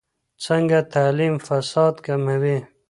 څنګه تعلیم فساد کموي؟